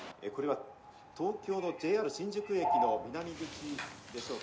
これは東京のＪＲ新宿駅の」。